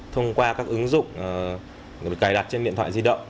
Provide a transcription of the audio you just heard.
thông qua các ứng dụng được cài đặt trên điện thoại di động